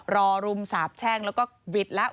รุมสาบแช่งแล้วก็วิทย์แล้ว